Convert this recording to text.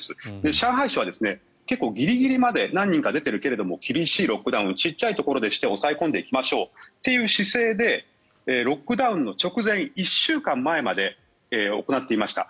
上海市は、結構ギリギリまで出ているけれども厳しいロックダウンを小さいところで抑え込んでいきましょうという姿勢でロックダウンの直前１週間前まで行っていました。